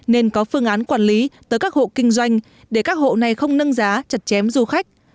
nên có phương án quản lý tới các hộ kinh doanh để các hộ này không nâng giá chặt chém du khách